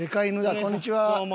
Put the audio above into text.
こんにちは。